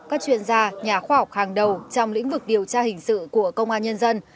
các chuyên gia nhà khoa học hàng đầu trong lĩnh vực điều tra hình sự của công an nhân dân